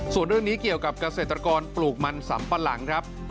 ส่วนเรื่องนี้เกี่ยวกับเกษตรกรปลูกมันสำปะหลังครับ